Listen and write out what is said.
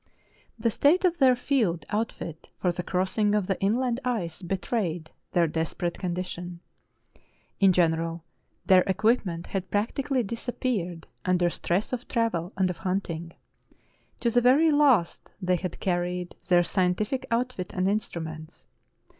The state of their field outfit for the crossing of the inland ice betrayed their desperate condition. In general, their equipment had practically disappeared under stress of travel and of hunting. To the very last they had carried their scientific outfit and instruments.